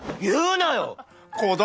言うなよ！